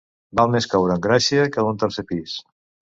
Val més caure en gràcia que d'un tercer pis.